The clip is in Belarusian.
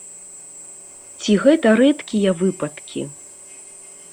Ці гэта рэдкія выпадкі?